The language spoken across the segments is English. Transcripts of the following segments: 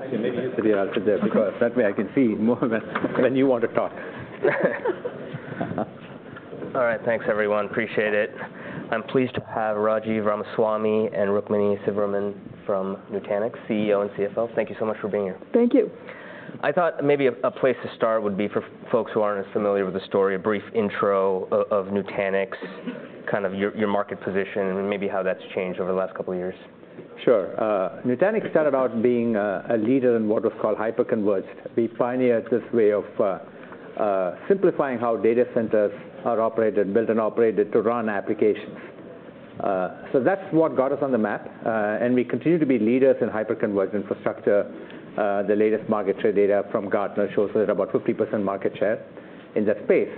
I can maybe sit here. I'll sit there, because that way I can see more when you want to talk. All right, thanks, everyone. Appreciate it. I'm pleased to have Rajiv Ramaswami and Rukmini Sivaraman from Nutanix, CEO and CFO. Thank you so much for being here. Thank you. I thought maybe a place to start would be for folks who aren't as familiar with the story, a brief intro of Nutanix, kind of your market position, and maybe how that's changed over the last couple of years. Sure. Nutanix started out being a leader in what was called hyperconverged. We pioneered this way of simplifying how data centers are operated, built and operated to run applications. So that's what got us on the map, and we continue to be leaders in hyperconverged infrastructure. The latest market share data from Gartner shows that about 50% market share in that space.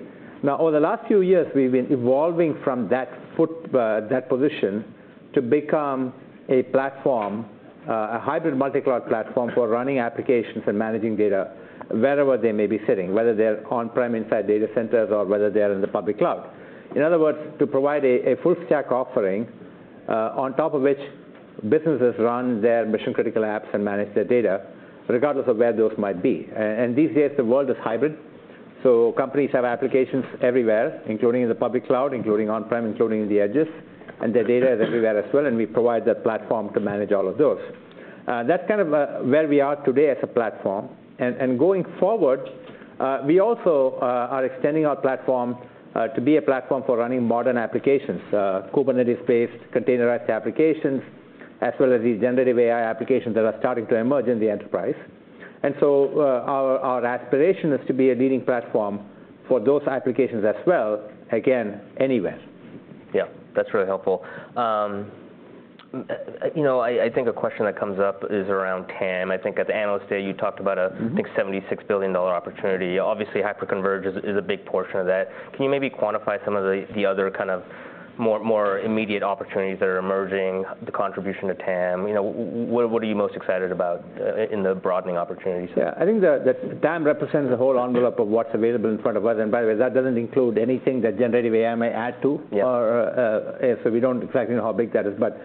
Now, over the last few years, we've been evolving from that foothold to become a platform, a hybrid multi-cloud platform for running applications and managing data wherever they may be sitting, whether they're on-prem inside data centers or whether they're in the public cloud. In other words, to provide a full-stack offering on top of which businesses run their mission-critical apps and manage their data, regardless of where those might be. These days, the world is hybrid, so companies have applications everywhere, including in the public cloud, including on-prem, including the edges, and their data is everywhere as well, and we provide that platform to manage all of those. That's kind of where we are today as a platform. Going forward, we also are extending our platform to be a platform for running modern applications, Kubernetes-based containerized applications, as well as these generative AI applications that are starting to emerge in the enterprise. So, our aspiration is to be a leading platform for those applications as well, again, anywhere. Yeah, that's really helpful. You know, I think a question that comes up is around TAM. I think at the Analyst Day, you talked about a- Mm-hmm... big $76 billion opportunity. Obviously, hyperconverged is a big portion of that. Can you maybe quantify some of the other kind of more immediate opportunities that are emerging, the contribution to TAM? You know, what are you most excited about in the broadening opportunities? Yeah. I think the TAM represents the whole envelope of what's available in front of us, and by the way, that doesn't include anything that generative AI may add to- Yeah... so we don't exactly know how big that is. But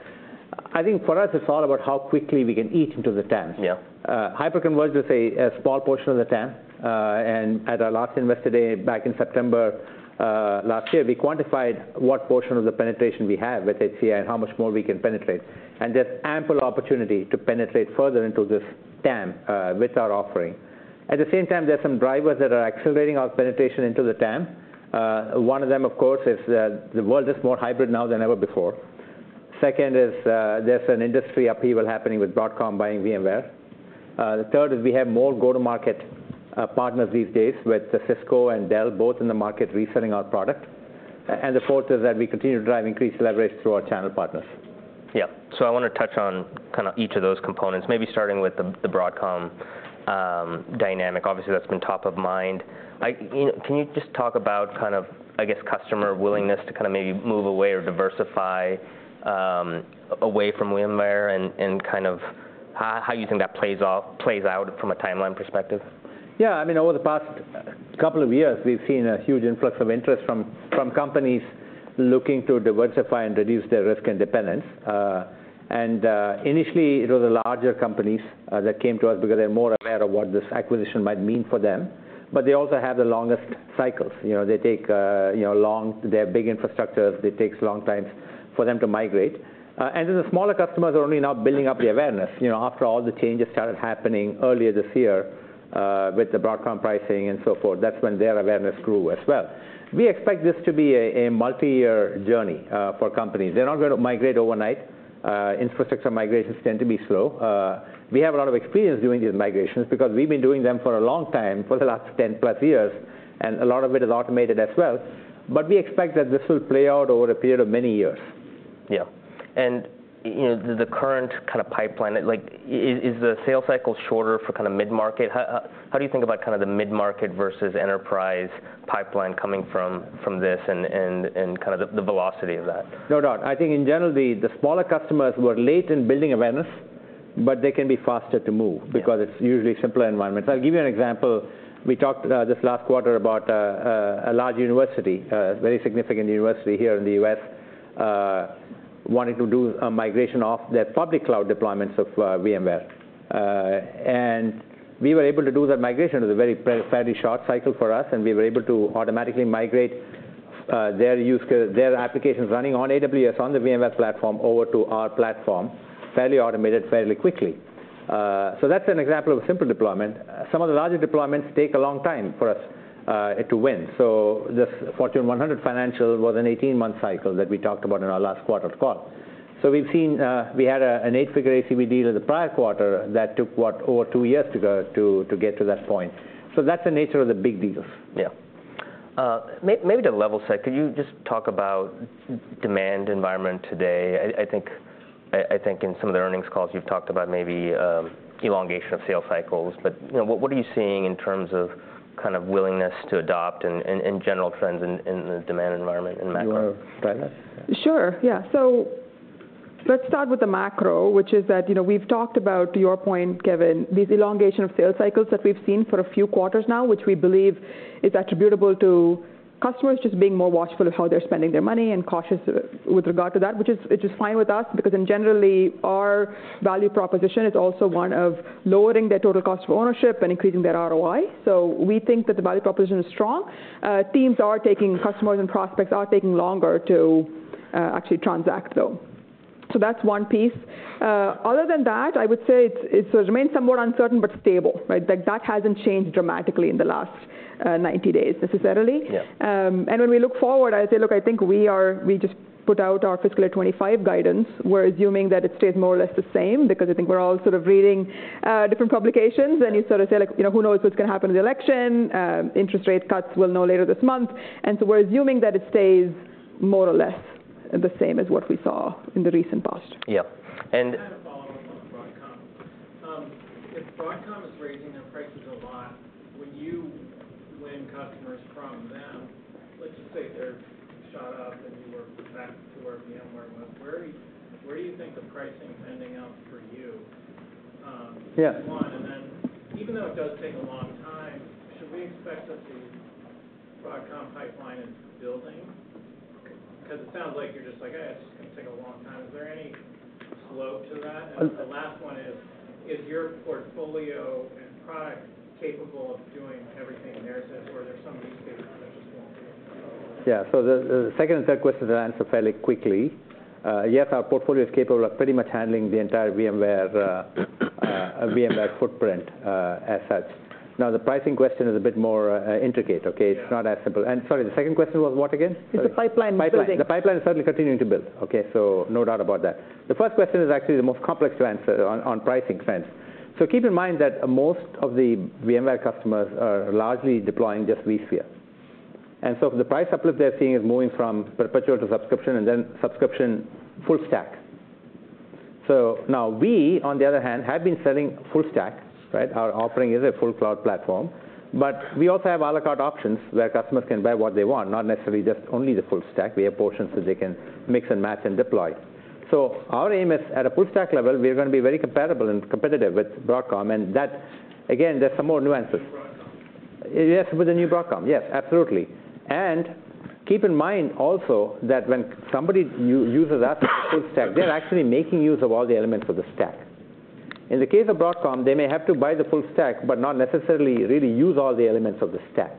I think for us, it's all about how quickly we can eat into the TAM. Yeah. Hyperconverged is a small portion of the TAM, and at our last Investor Day, back in September last year, we quantified what portion of the penetration we have with HCI and how much more we can penetrate. There's ample opportunity to penetrate further into this TAM with our offering. At the same time, there's some drivers that are accelerating our penetration into the TAM. One of them, of course, is that the world is more hybrid now than ever before. Second is, there's an industry upheaval happening with Broadcom buying VMware. The third is we have more go-to-market partners these days, with Cisco and Dell both in the market reselling our product. And the fourth is that we continue to drive increased leverage through our channel partners. Yeah. So I want to touch on kind of each of those components, maybe starting with the Broadcom dynamic. Obviously, that's been top of mind. You know, can you just talk about kind of, I guess, customer willingness to kind of maybe move away or diversify away from VMware and how you think that plays out from a timeline perspective? Yeah. I mean, over the past couple of years, we've seen a huge influx of interest from companies looking to diversify and reduce their risk and dependence. And initially, it was the larger companies that came to us because they're more aware of what this acquisition might mean for them, but they also have the longest cycles. You know, they take. They have big infrastructures. It takes long time for them to migrate. And then the smaller customers are only now building up the awareness. You know, after all the changes started happening earlier this year, with the Broadcom pricing and so forth, that's when their awareness grew as well. We expect this to be a multi-year journey for companies. They're not going to migrate overnight. Infrastructure migrations tend to be slow. We have a lot of experience doing these migrations, because we've been doing them for a long time, for the last 10-plus years, and a lot of it is automated as well, but we expect that this will play out over a period of many years. Yeah. And, you know, the current kind of pipeline, like, is the sales cycle shorter for kind of mid-market? How do you think about kind of the mid-market versus enterprise pipeline coming from this and kind of the velocity of that? No doubt. I think in general, the smaller customers were late in building awareness, but they can be faster to move- Yeah... because it's usually simpler environments. I'll give you an example. We talked this last quarter about a large university, a very significant university here in the U.S., wanting to do a migration off their public cloud deployments of VMware. And we were able to do that migration. It was a very fairly short cycle for us, and we were able to automatically migrate their applications running on AWS, on the VMware platform, over to our platform, fairly automated, fairly quickly. So that's an example of a simple deployment. Some of the larger deployments take a long time for us to win. So the Fortune 100 financial was an 18-month cycle that we talked about in our last quarter call. So we've seen... We had an eight-figure ACV deal in the prior quarter that took, what, over two years to go, to, to get to that point. So that's the nature of the big deals. Yeah. Maybe to level set, can you just talk about demand environment today? I think in some of the earnings calls, you've talked about maybe elongation of sales cycles, but you know, what are you seeing in terms of kind of willingness to adopt, and general trends in the demand environment and macro? You want to address? Sure, yeah. So let's start with the macro, which is that, you know, we've talked about, to your point, Kevin, these elongation of sales cycles that we've seen for a few quarters now, which we believe is attributable to customers just being more watchful of how they're spending their money and cautious with regard to that. Which is fine with us, because then generally, our value proposition is also one of lowering their total cost of ownership and increasing their ROI. So we think that the value proposition is strong. Customers and prospects are taking longer to actually transact though. So that's one piece. Other than that, I would say it remains somewhat uncertain, but stable, right? Like, that hasn't changed dramatically in the last 90 days necessarily. Yeah. And when we look forward, I would say, look, I think we just put out our fiscal year 2025 guidance. We're assuming that it stays more or less the same, because I think we're all sort of reading different publications, and you sort of say, like, "You know, who knows what's going to happen in the election? Interest rate cuts, we'll know later this month." And so we're assuming that it stays more or less the same as what we saw in the recent past. Yeah. And- I had a follow-up on Broadcom. If Broadcom is raising their prices a lot, when you win customers from them, let's just say they've shot up, and you are back to where VMware was. Where do you think the pricing is ending up for you? Yeah. One, and then even though it does take a long time, should we expect that the Broadcom pipeline is building? Because it sounds like you're just like, "Eh, it's going to take a long time." Is there any slope to that? Um- The last one is: Is your portfolio and product capable of doing everything theirs is, or are there some use cases that just won't work? Yeah. So the second and third questions I'll answer fairly quickly. Yes, our portfolio is capable of pretty much handling the entire VMware footprint as such. Now, the pricing question is a bit more intricate, okay? Yeah. It's not that simple. And sorry, the second question was what again? It's the pipeline building. Pipeline. The pipeline is certainly continuing to build, okay, so no doubt about that. The first question is actually the most complex to answer on pricing front. So keep in mind that most of the VMware customers are largely deploying just vSphere. And so the price uplift they're seeing is moving from perpetual to subscription, and then subscription full-stack. So now we, on the other hand, have been selling full-stack, right? Our offering is a full cloud platform. But we also have à la carte options, where customers can buy what they want, not necessarily just only the full-stack. We have portions that they can mix and match and deploy. So our aim is, at a full-stack level, we are going to be very comparable and competitive with Broadcom, and that... Again, there's some more nuances. The new Broadcom. Yes, with the new Broadcom. Yes, absolutely. And keep in mind also that when somebody uses that full-stack, they're actually making use of all the elements of the stack. In the case of Broadcom, they may have to buy the full-stack, but not necessarily really use all the elements of the stack,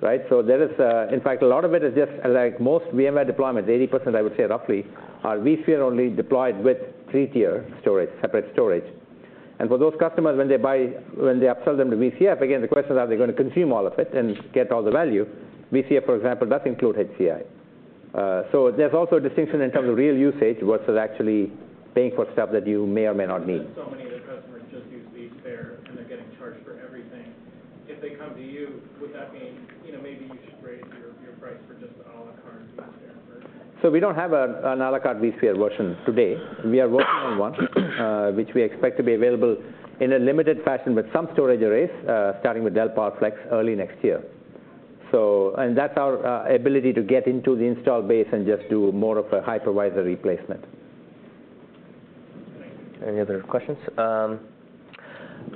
right? So there is, in fact, a lot of it is just, like most VMware deployments, 80%, I would say roughly, are vSphere only deployed with three-tier storage, separate storage. And for those customers, when they upsell them to VCF, again, the question is, are they going to consume all of it and get all the value? VCF, for example, does include HCI. So there's also a distinction in terms of real usage versus actually paying for stuff that you may or may not need. But so many of their customers just use vSphere, and they're getting charged for everything. If they come to you, would that mean, you know, maybe you should raise your, your price for just the à la carte vSphere version? So we don't have an à la carte vSphere version today. Okay. We are working on one, which we expect to be available in a limited fashion with some storage arrays, starting with Dell PowerFlex early next year, and that's our ability to get into the install base and just do more of a hypervisor replacement. Thank you. Any other questions?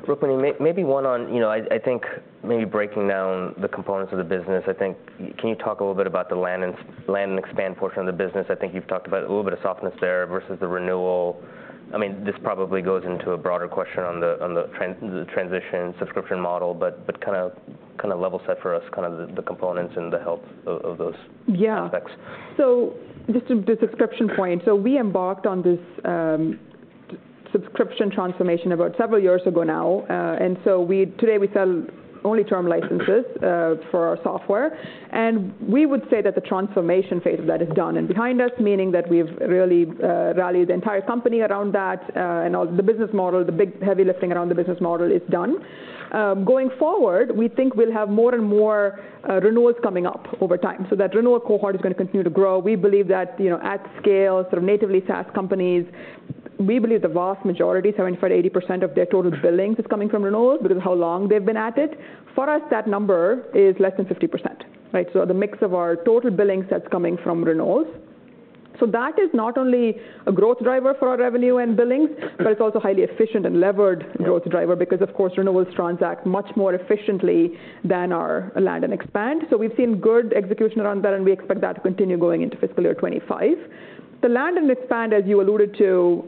Rukmini, maybe one on, you know, I think maybe breaking down the components of the business, I think. Can you talk a little bit about the land and expand portion of the business? I think you've talked about a little bit of softness there versus the renewal. I mean, this probably goes into a broader question on the transition subscription model, but kind of level set for us, kind of the components and the health of those- Yeah. aspects. So just to the subscription point, so we embarked on this subscription transformation about several years ago now. And so today, we sell only term licenses for our software. We would say that the transformation phase of that is done and behind us, meaning that we've really rallied the entire company around that, and all the business model, the big, heavy lifting around the business model is done. Going forward, we think we'll have more and more renewals coming up over time, so that renewal cohort is going to continue to grow. We believe that, you know, at scale, sort of natively, SaaS companies, we believe the vast majority, 75%-80% of their total billings, is coming from renewals because of how long they've been at it. For us, that number is less than 50%, right? So the mix of our total billings, that's coming from renewals. So that is not only a growth driver for our revenue and billings- Mm-hmm. but it's also a highly efficient and levered growth driver because, of course, renewals transact much more efficiently than our land and expand. So we've seen good execution around that, and we expect that to continue going into fiscal year 2025. The land and expand, as you alluded to,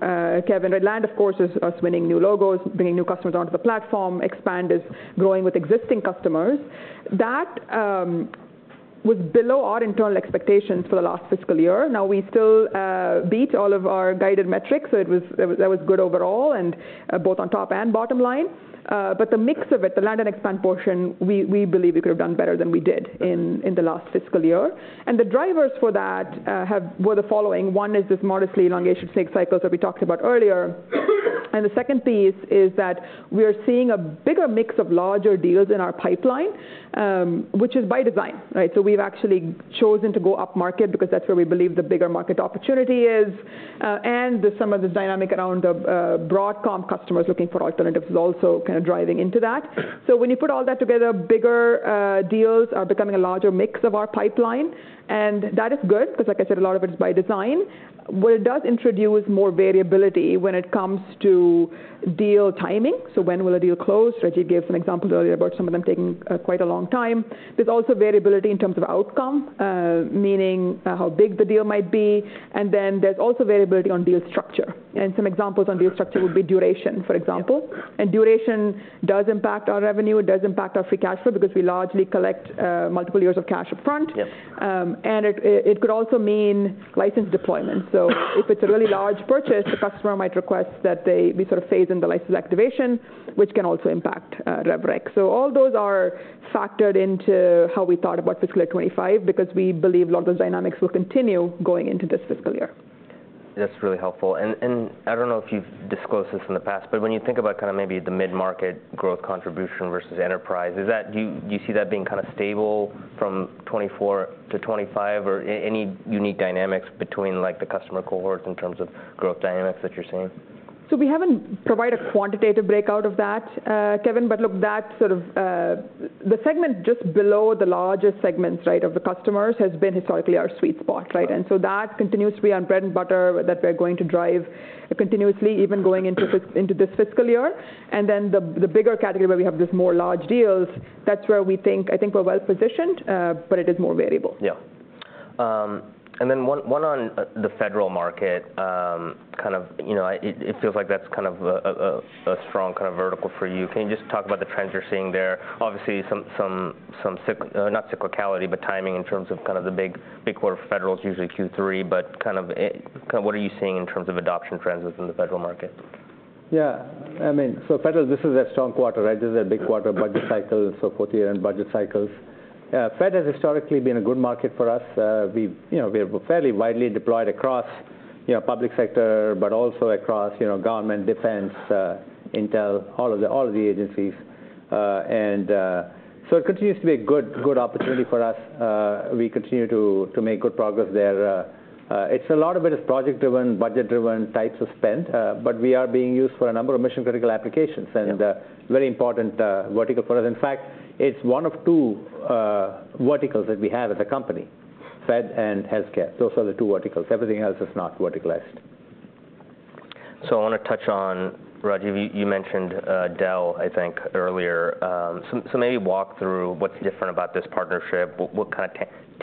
Kevin, where land, of course, is us winning new logos, bringing new customers onto the platform. Expand is growing with existing customers. That was below our internal expectations for the last fiscal year. Now, we still beat all of our guided metrics, so it was good overall and both on top and bottom line, but the mix of it, the land and expand portion, we believe we could have done better than we did in the last fiscal year. The drivers for that were the following: One is this modestly elongated sales cycles that we talked about earlier. The second piece is that we are seeing a bigger mix of larger deals in our pipeline, which is by design, right? We've actually chosen to go upmarket because that's where we believe the bigger market opportunity is. And some of the dynamic around the Broadcom customers looking for alternatives is also kind of driving into that. When you put all that together, bigger deals are becoming a larger mix of our pipeline. That is good because, like I said, a lot of it is by design. What it does introduce more variability when it comes to deal timing. When will a deal close? Rajiv gave some examples earlier about some of them taking quite a long time. There's also variability in terms of outcome, meaning, how big the deal might be, and then there's also variability on deal structure and some examples on deal structure would be duration, for example. Yeah. Duration does impact our revenue. It does impact our free cash flow because we largely collect multiple years of cash up front. Yep. And it could also mean license deployment. So if it's a really large purchase, the customer might request that we sort of phase in the license activation, which can also impact rev rec. So all those are factored into how we thought about fiscal year 2025, because we believe a lot of those dynamics will continue going into this fiscal year.... That's really helpful. And I don't know if you've disclosed this in the past, but when you think about kind of maybe the mid-market growth contribution versus enterprise, is that, do you see that being kind of stable from 2024 to 2025? Or any unique dynamics between, like, the customer cohort in terms of growth dynamics that you're seeing? So we haven't provided a quantitative breakout of that, Kevin, but look, that sort of the segment just below the largest segments, right, of the customers, has been historically our sweet spot, right? Got it. And so that continues to be our bread and butter, that we're going to drive continuously, even going into into this fiscal year. And then the bigger category, where we have just more large deals, that's where we think, I think we're well-positioned, but it is more variable. Yeah. And then one on the federal market. Kind of, you know, it feels like that's kind of a strong kind of vertical for you. Can you just talk about the trends you're seeing there? Obviously, some not cyclicality, but timing in terms of kind of the big quarter for federal is usually Q3, but kind of what are you seeing in terms of adoption trends within the federal market? Yeah. I mean, so federal, this is a strong quarter, right? This is a big quarter, budget cycle, so fourth-year end budget cycles. Fed has historically been a good market for us. We've, you know, we're fairly widely deployed across, you know, public sector, but also across, you know, government, defense, intel, all of the agencies. So it continues to be a good opportunity for us. We continue to make good progress there. It's a lot of it is project-driven, budget-driven types of spend, but we are being used for a number of mission-critical applications- Yeah... And, very important, vertical for us. In fact, it's one of two verticals that we have as a company, Fed and healthcare. Those are the two verticals. Everything else is not verticalized. So I want to touch on, Rajiv, you mentioned Dell, I think, earlier. So maybe walk through what's different about this partnership, what kind of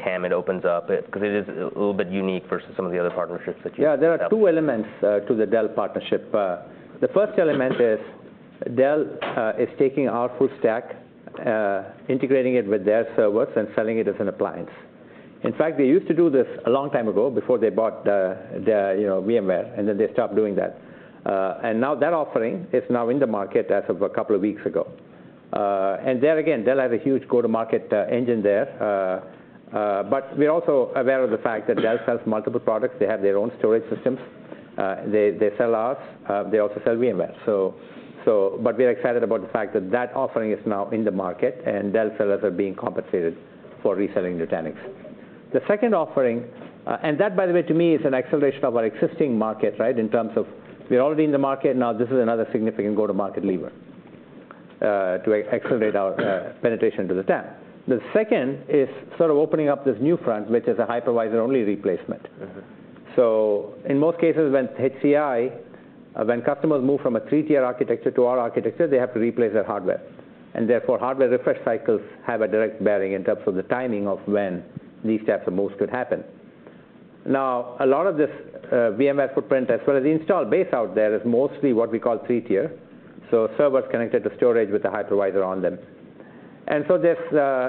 TAM it opens up, because it is a little bit unique versus some of the other partnerships that you have. Yeah. There are two elements to the Dell partnership. The first element is Dell taking our full-stack, integrating it with their servers, and selling it as an appliance. In fact, they used to do this a long time ago, before they bought, you know, VMware, and then they stopped doing that, and now that offering is now in the market as of a couple of weeks ago, and there again, Dell has a huge go-to-market engine there, but we're also aware of the fact that Dell sells multiple products. They have their own storage systems. They sell ours, they also sell VMware, but we are excited about the fact that that offering is now in the market, and Dell sellers are being compensated for reselling Nutanix. The second offering, and that, by the way, to me, is an acceleration of our existing market, right? In terms of we're already in the market, now this is another significant go-to-market lever, to accelerate our penetration to the TAM. The second is sort of opening up this new front, which is a hypervisor-only replacement. Mm-hmm. So in most cases, when HCI, when customers move from a three-tier architecture to our architecture, they have to replace their hardware, and therefore, hardware refresh cycles have a direct bearing in terms of the timing of when these types of moves could happen. Now, a lot of this, VMware footprint, as well as the install base out there, is mostly what we call three-tier, so servers connected to storage with a hypervisor on them. And so there's.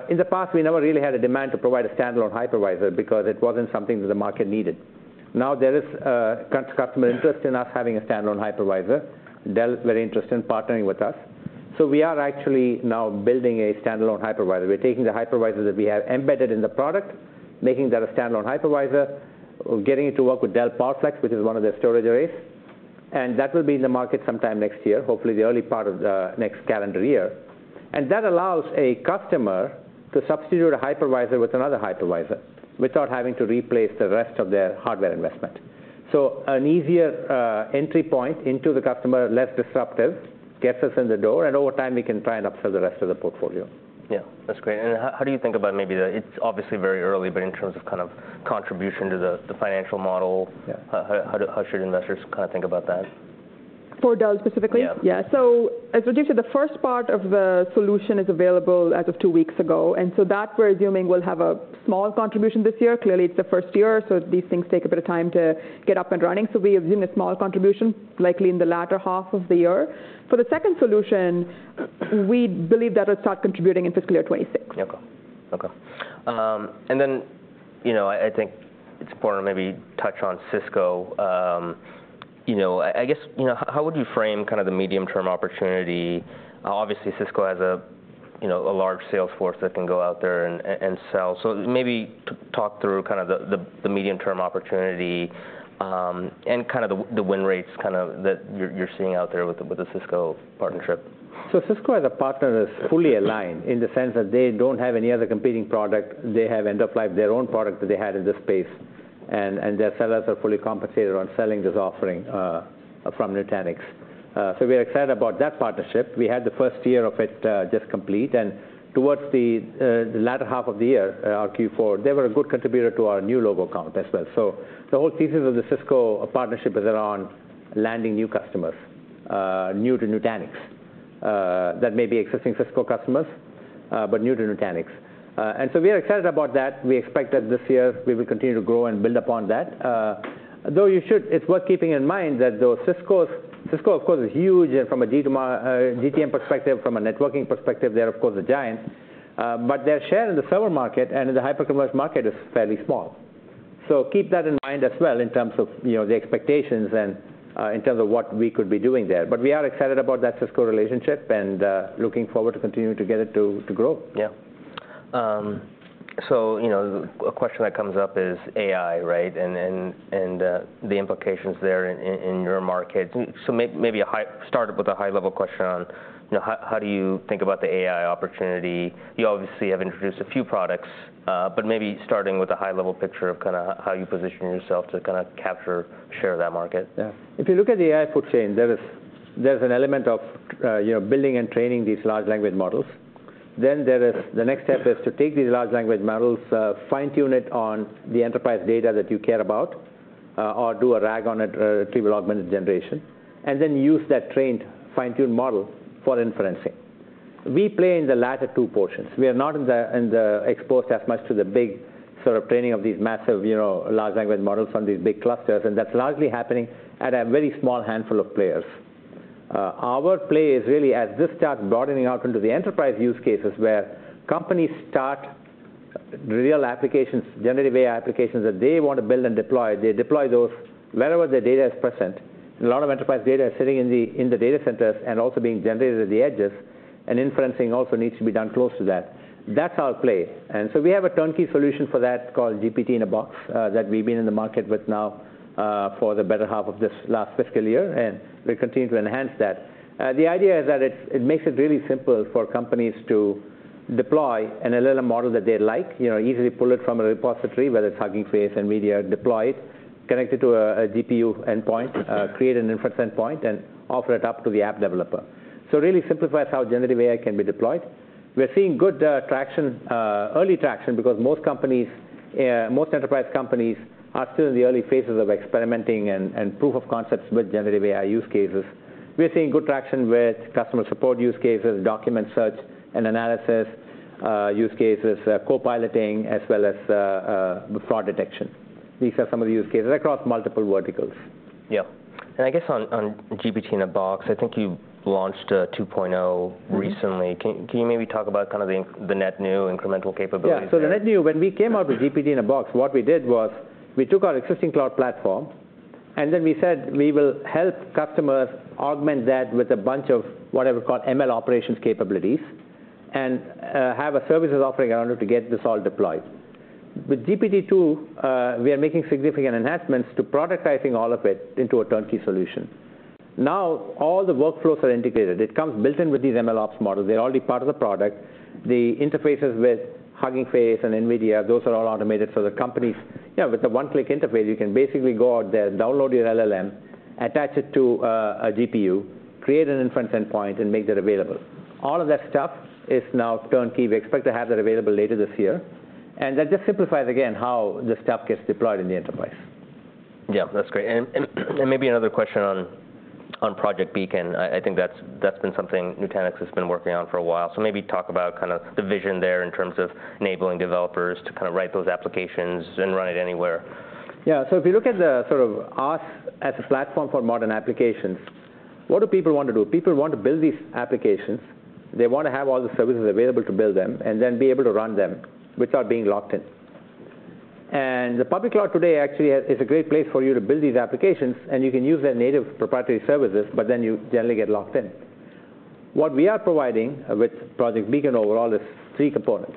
In the past, we never really had a demand to provide a standalone hypervisor because it wasn't something that the market needed. Now, there is, customer interest in us having a standalone hypervisor. Dell is very interested in partnering with us. So we are actually now building a standalone hypervisor. We're taking the hypervisor that we have embedded in the product, making that a standalone hypervisor, getting it to work with Dell PowerFlex, which is one of their storage arrays, and that will be in the market sometime next year, hopefully the early part of the next calendar year. And that allows a customer to substitute a hypervisor with another hypervisor without having to replace the rest of their hardware investment. So an easier, entry point into the customer, less disruptive, gets us in the door, and over time, we can try and upsell the rest of the portfolio. Yeah, that's great. And how do you think about maybe the-- it's obviously very early, but in terms of kind of contribution to the financial model- Yeah... how should investors kind of think about that? For Dell specifically? Yeah. Yeah. So as Rajiv said, the first part of the solution is available as of two weeks ago, and so that we're assuming will have a small contribution this year. Clearly, it's the first year, so these things take a bit of time to get up and running, so we assume a small contribution, likely in the latter half of the year. For the second solution, we believe that it'll start contributing in fiscal year 2026. Okay. Okay. And then, you know, I think it's important to maybe touch on Cisco. You know, I guess, you know, how would you frame kind of the medium-term opportunity? Obviously, Cisco has a, you know, a large sales force that can go out there and sell. So maybe talk through kind of the medium-term opportunity, and kind of the win rates, kind of, that you're seeing out there with the Cisco partnership. So Cisco as a partner is fully aligned, in the sense that they don't have any other competing product. They have end of life their own product that they had in this space, and their sellers are fully compensated on selling this offering from Nutanix. So we are excited about that partnership. We had the first year of it just complete, and towards the latter half of the year, Q4, they were a good contributor to our new logo count as well. So the whole thesis of the Cisco partnership is around landing new customers, new to Nutanix, that may be existing Cisco customers, but new to Nutanix. And so we are excited about that. We expect that this year we will continue to grow and build upon that. Though it's worth keeping in mind that though Cisco, of course, is huge from a GTM perspective, from a networking perspective, they're, of course, a giant, but their share in the server market and in the hyperconverged market is fairly small. So keep that in mind as well, in terms of, you know, the expectations and, in terms of what we could be doing there. But we are excited about that Cisco relationship, and, looking forward to continuing to get it to grow. Yeah. So, you know, a question that comes up is AI, right? And the implications there in your market. So maybe start up with a high-level question on, you know, how do you think about the AI opportunity? You obviously have introduced a few products, but maybe starting with a high-level picture of kind of how you position yourself to kind of capture share that market. Yeah. If you look at the AI food chain, there is an element of, you know, building and training these large language models. Then the next step is to take these large language models, fine-tune it on the enterprise data that you care about, or do a RAG on it, retrieval-augmented generation, and then use that trained fine-tuned model for inferencing. We play in the latter two portions. We are not exposed as much to the big sort of training of these massive, you know, large language models from these big clusters, and that's largely happening at a very small handful of players. Our play is really as this starts broadening out into the enterprise use cases, where companies start real applications, generative AI applications that they want to build and deploy. They deploy those wherever their data is present. A lot of enterprise data is sitting in the data centers and also being generated at the edges, and inferencing also needs to be done close to that. That's our play. And so we have a turnkey solution for that called GPT-in-a-Box that we've been in the market with now for the better half of this last fiscal year, and we continue to enhance that. The idea is that it's. It makes it really simple for companies to deploy an LLM model that they like, you know, easily pull it from a repository, whether it's Hugging Face or Meta, deploy it, connect it to a GPU endpoint, create an inference endpoint, and offer it up to the app developer. So really simplifies how generative AI can be deployed. We're seeing good traction, early traction, because most companies, most enterprise companies are still in the early phases of experimenting and proof of concepts with generative AI use cases. We're seeing good traction with customer support use cases, document search and analysis, use cases, co-piloting, as well as, fraud detection. These are some of the use cases across multiple verticals. Yeah. And I guess on GPT-in-a-Box, I think you launched a 2.0 recently. Mm-hmm. Can you maybe talk about kind of the net new incremental capabilities there? Yeah. So the net new, when we came out with GPT-in-a-Box, what we did was we took our existing cloud platform, and then we said we will help customers augment that with a bunch of what I would call ML operations capabilities and have a services offering in order to get this all deployed. With GPT 2.0, we are making significant enhancements to productizing all of it into a turnkey solution. Now, all the workflows are integrated. It comes built in with these MLOps models. They're already part of the product. The interfaces with Hugging Face and NVIDIA, those are all automated. So the companies. Yeah, with the one-click interface, you can basically go out there, download your LLM, attach it to a GPU, create an inference endpoint, and make that available. All of that stuff is now turnkey. We expect to have that available later this year, and that just simplifies, again, how this stuff gets deployed in the enterprise. Yeah, that's great. And maybe another question on Project Beacon. I think that's been something Nutanix has been working on for a while. So maybe talk about kind of the vision there in terms of enabling developers to kind of write those applications and run it anywhere. Yeah. So if you look at the sort of us as a platform for modern applications, what do people want to do? People want to build these applications. They want to have all the services available to build them and then be able to run them without being locked in. The public cloud today actually is a great place for you to build these applications, and you can use their native proprietary services, but then you generally get locked in. What we are providing with Project Beacon overall is three components.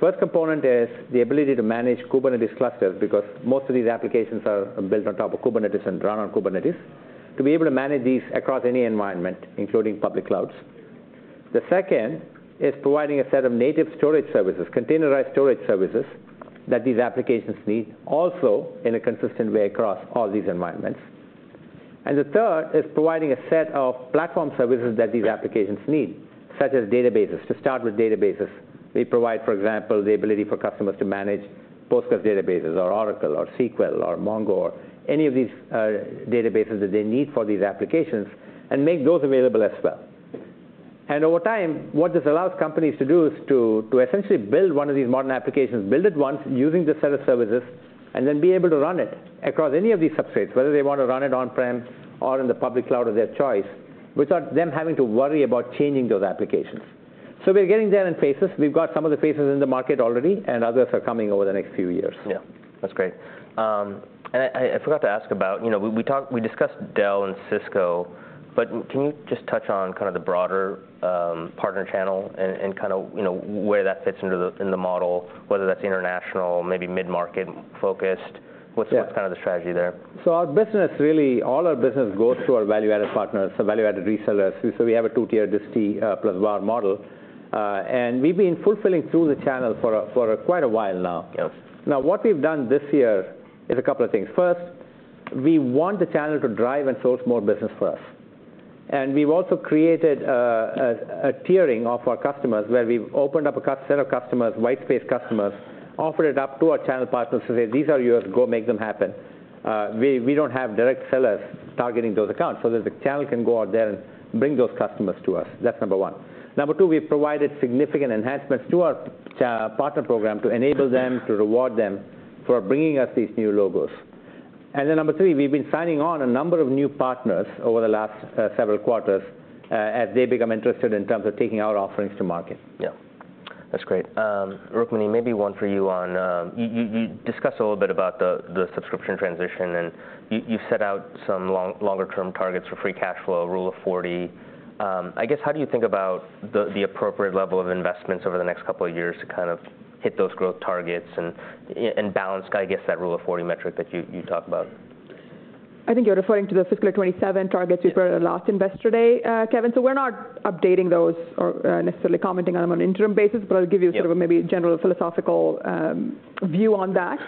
First component is the ability to manage Kubernetes clusters, because most of these applications are built on top of Kubernetes and run on Kubernetes, to be able to manage these across any environment, including public clouds. The second is providing a set of native storage services, containerized storage services, that these applications need, also in a consistent way across all these environments. And the third is providing a set of platform services that these applications need, such as databases. To start with databases, they provide, for example, the ability for customers to manage PostgreSQL databases or Oracle or SQL or Mongo or any of these databases that they need for these applications, and make those available as well. And over time, what this allows companies to do is to essentially build one of these modern applications, build it once using this set of services, and then be able to run it across any of these substrates, whether they want to run it on-prem or in the public cloud of their choice, without them having to worry about changing those applications. So we're getting there in phases. We've got some of the phases in the market already, and others are coming over the next few years. Yeah, that's great. And I forgot to ask about... You know, we talked, we discussed Dell and Cisco, but can you just touch on kind of the broader partner channel and kind of, you know, where that fits into the, in the model, whether that's international, maybe mid-market focused? Yeah. What's kind of the strategy there? Our business, really, all our business goes through our value-added partners, so value-added resellers. We have a two-tier disti plus VAR model, and we've been fulfilling through the channel for quite a while now. Yeah. Now, what we've done this year is a couple of things. First, we want the channel to drive and source more business for us. And we've also created a tiering of our customers, where we've opened up a set of customers, whitespace customers, offered it up to our channel partners to say, "These are yours. Go make them happen." We don't have direct sellers targeting those accounts, so the channel can go out there and bring those customers to us. That's number one. Number two, we've provided significant enhancements to our partner program to enable them, to reward them for bringing us these new logos. And then number three, we've been signing on a number of new partners over the last several quarters, as they become interested in terms of taking our offerings to market. Yeah, that's great. Rukmini, maybe one for you on... You discussed a little bit about the subscription transition, and you set out some longer-term targets for free cash flow, Rule of 40. I guess, how do you think about the appropriate level of investments over the next couple of years to kind of hit those growth targets and balance, I guess, that Rule of 40 metric that you talked about? I think you're referring to the fiscal 2027 targets we put at our last Investor Day, Kevin. So we're not updating those or necessarily commenting on them on an interim basis, but I'll give you- Yeah Sort of maybe a general philosophical view on that.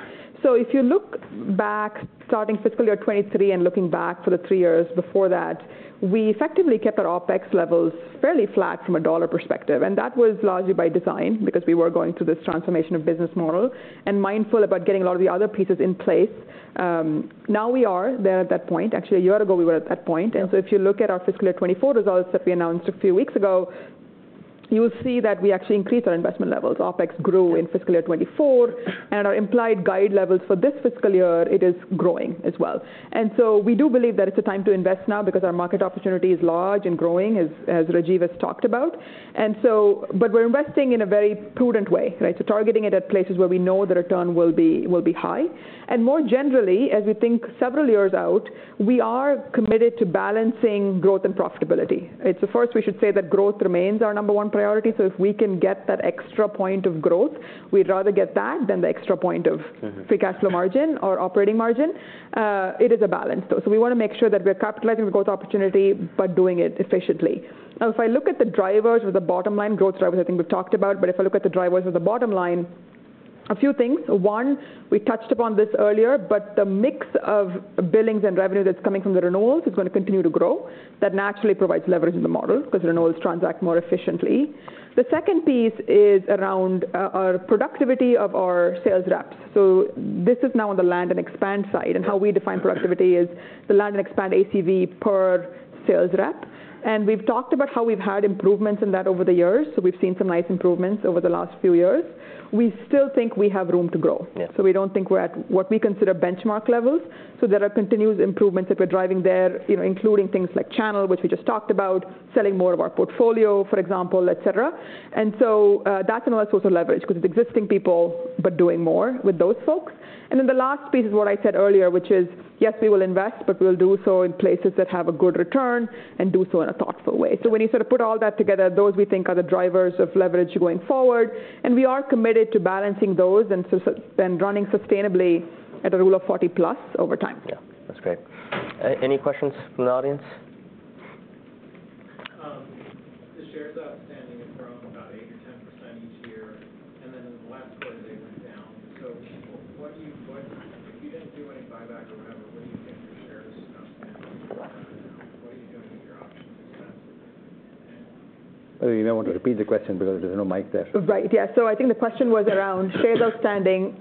So if you look back, starting fiscal year 2023, and looking back for the three years before that, we effectively kept our OpEx levels fairly flat from a dollar perspective, and that was largely by design, because we were going through this transformation of business model and mindful about getting a lot of the other pieces in place. Now we are there at that point. Actually, a year ago, we were at that point. Yeah. And so if you look at our fiscal year 2024 results that we announced a few weeks ago, you will see that we actually increased our investment levels. OpEx grew in fiscal year 2024, and our implied guide levels for this fiscal year, it is growing as well. And so we do believe that it's a time to invest now because our market opportunity is large and growing, as Rajiv has talked about. And so... But we're investing in a very prudent way, right? So targeting it at places where we know the return will be high. And more generally, as we think several years out, we are committed to balancing growth and profitability, right? So first, we should say that growth remains our number one priority, so if we can get that extra point of growth, we'd rather get that than the extra point of- Mm-hmm -free cash flow margin or operating margin. It is a balance, though. So we want to make sure that we're capitalizing the growth opportunity, but doing it efficiently. Now, if I look at the drivers or the bottom line growth drivers, I think we've talked about, but if I look at the drivers of the bottom line, a few things. One, we touched upon this earlier, but the mix of billings and revenue that's coming from the renewals is going to continue to grow. That naturally provides leverage in the model, because renewals transact more efficiently. The second piece is around our productivity of our sales reps. So this is now on the land and expand side, and how we define productivity is the land and expand ACV per sales rep. We've talked about how we've had improvements in that over the years, so we've seen some nice improvements over the last few years. We still think we have room to grow. Yeah. So we don't think we're at what we consider benchmark levels, so there are continuous improvements that we're driving there, you know, including things like channel, which we just talked about, selling more of our portfolio, for example, et cetera. And so, that's another source of leverage, because it's existing people, but doing more with those folks. And then the last piece is what I said earlier, which is, yes, we will invest, but we'll do so in places that have a good return and do so in a thoughtful way. So when you sort of put all that together, those, we think, are the drivers of leverage going forward, and we are committed to balancing those and running sustainably at a Rule of 40 plus over time. Yeah, that's great. Any questions from the audience? The shares outstanding have grown about 8%-10% each year, and then in the last quarter, they went down. So what do you... If you didn't do any buyback or whatever, what do you think your shares outstanding are? What are you doing with your options this time? You may want to repeat the question, because there's no mic there. Right. Yeah. So I think the question was around shares outstanding,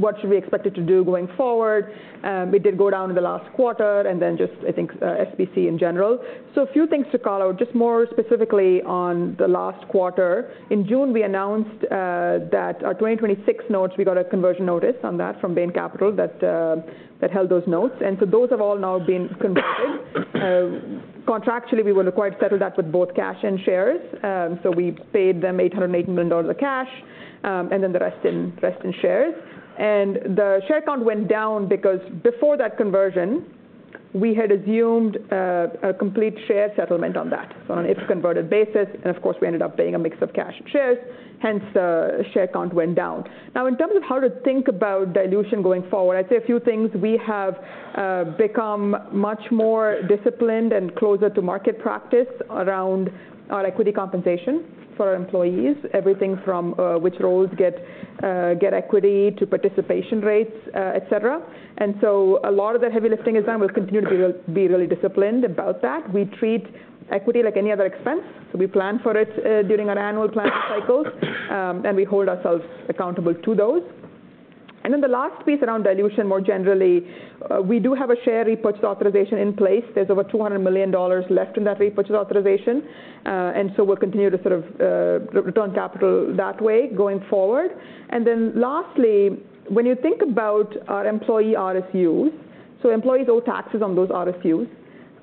what should we expect it to do going forward? It did go down in the last quarter, and then just, I think, SBC in general. So a few things to call out, just more specifically on the last quarter. In June, we announced that our 2026 notes, we got a conversion notice on that from Bain Capital, that held those notes, and so those have all now been converted. Contractually, we were required to settle that with both cash and shares. So we paid them $880 million of cash, and then the rest in shares. And the share count went down because before that conversion, we had assumed a complete share settlement on that, on an if converted basis, and of course, we ended up paying a mix of cash and shares, hence the share count went down. Now, in terms of how to think about dilution going forward, I'd say a few things. We have become much more disciplined and closer to market practice around our equity compensation for our employees. Everything from which roles get equity, to participation rates, et cetera. And so a lot of the heavy lifting is done. We'll continue to be really disciplined about that. We treat equity like any other expense, so we plan for it during our annual planning cycles, and we hold ourselves accountable to those. And then the last piece around dilution, more generally, we do have a share repurchase authorization in place. There's over $200 million left in that repurchase authorization, and so we'll continue to sort of return capital that way going forward. And then lastly, when you think about our employee RSUs, so employees owe taxes on those RSUs,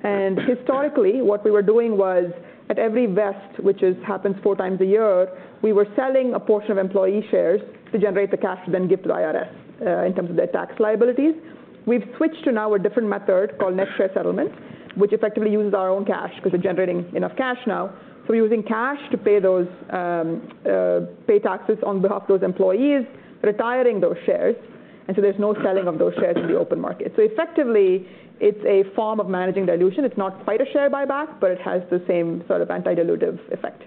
and historically, what we were doing was, at every vest, which happens four times a year, we were selling a portion of employee shares to generate the cash to then give to the IRS in terms of their tax liabilities. We've switched to now a different method called net share settlement, which effectively uses our own cash, because we're generating enough cash now. So we're using cash to pay those taxes on behalf of those employees, retiring those shares, and so there's no selling of those shares in the open market. So effectively, it's a form of managing dilution. It's not quite a share buyback, but it has the same sort of anti-dilutive effect.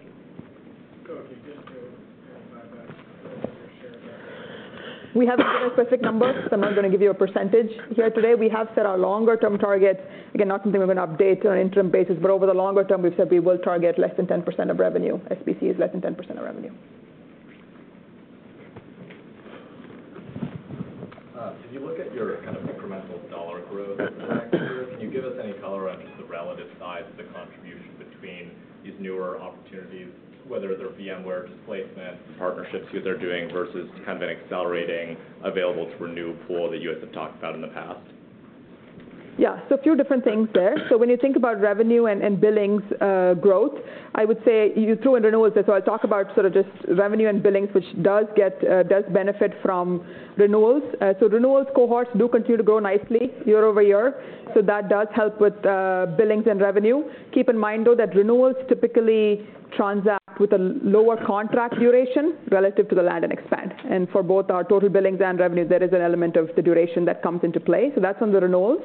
So if you did do a share buyback, your share- We haven't given a specific number, so I'm not going to give you a percentage here today. We have set our longer-term targets. Again, not something we're going to update on an interim basis, but over the longer term, we've said we will target less than 10% of revenue, SBC is less than 10% of revenue. As you look at your kind of incremental dollar growth for the next year, can you give us any color on just the relative size of the contribution between these newer opportunities, whether they're VMware displacement, partnerships that they're doing, versus kind of an accelerating available to renew pool that you guys have talked about in the past? Yeah, so a few different things there. So when you think about revenue and billings growth, I would say you include renewals, and so I'll talk about sort of just revenue and billings, which does get does benefit from renewals. So renewals cohorts do continue to grow nicely year over year, so that does help with billings and revenue. Keep in mind, though, that renewals typically transact with a lower contract duration relative to the land and expand. And for both our total billings and revenues, there is an element of the duration that comes into play, so that's on the renewals.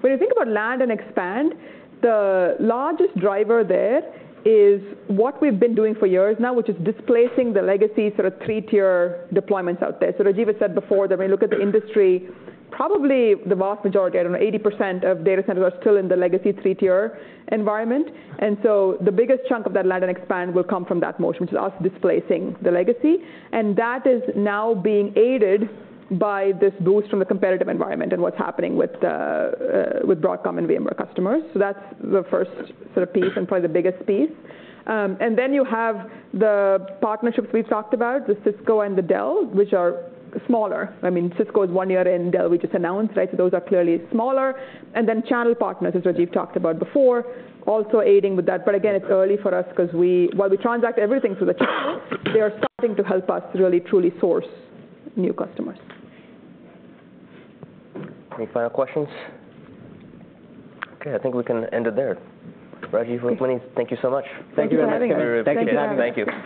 When you think about land and expand, the largest driver there is what we've been doing for years now, which is displacing the legacy, sort of three-tier deployments out there. Rajiv has said before that when you look at the industry, probably the vast majority, I don't know, 80% of data centers are still in the legacy three-tier environment. And so the biggest chunk of that land and expand will come from that motion, which is us displacing the legacy. And that is now being aided by this boost from the competitive environment and what's happening with Broadcom and VMware customers. So that's the first sort of piece and probably the biggest piece. And then you have the partnerships we've talked about, the Cisco and the Dell, which are smaller. I mean, Cisco is one year in, Dell, we just announced, right? So those are clearly smaller. And then channel partners, as Rajiv talked about before, also aiding with that. But again, it's early for us, because while we transact everything through the channel, they are starting to help us really, truly source new customers. Any final questions? Okay, I think we can end it there. Rajiv, thank you so much. Thank you for having me. Thank you very much. Thank you for having me. Thank you.